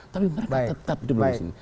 tapi mereka tetap di masjid